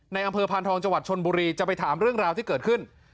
บริษัทภัณฑ์ทองจวัดชนบุรีจะไปถามเรื่องราวที่เกิดขึ้น